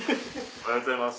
おはようございます。